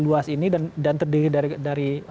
luas ini dan terdiri dari